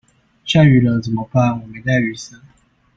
下雨天了怎麼辦我沒帶雨傘